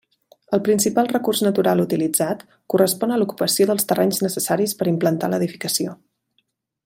El principal recurs natural utilitzat correspon a l'ocupació dels terrenys necessaris per implantar l'edificació.